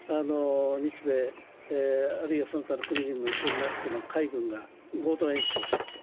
日米、あるいはその他の国々も一緒になって、海軍が合同演習をしたと。